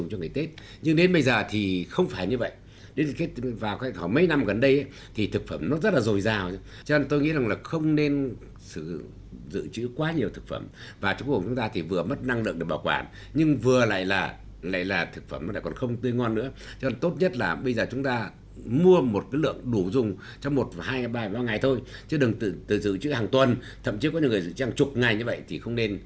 nhưng vừa lại là thực phẩm còn không tươi ngon nữa chứ còn tốt nhất là bây giờ chúng ta mua một cái lượng đủ dùng trong một và hai và ba ngày thôi chứ đừng tự giữ chữ hàng tuần thậm chí có những người giữ chữ hàng chục ngày như vậy thì không nên